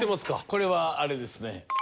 これはあれですね。